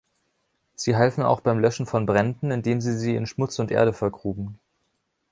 Sie halfen auch beim Löschen von Bränden, indem sie sie in Schmutz und Erde vergruben.